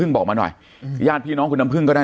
พึึ้งบอกมาหน่อยอืมญาติพี่น้องคุณน้ำพึึ้งก็ได้